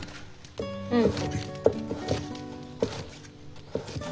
うん。